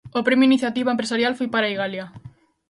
O Premio Iniciativa Empresarial foi para Igalia.